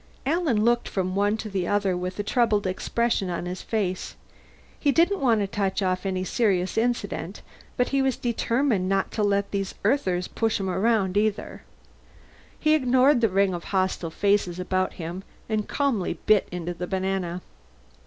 Alan looked from one to the other with a troubled expression on his face. He didn't want to touch off any serious incident, but he was determined not to let these Earthers push him around, either. He ignored the ring of hostile faces about him and calmly bit into the banana.